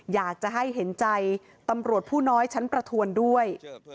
อยากจะให้เห็นใจตำรวจผู้น้อยชั้นประทวนด้วย